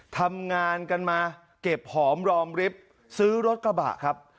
ทำงานกันมาเก็บหอมรอมริฟท์ซื้อรถกระบะครับ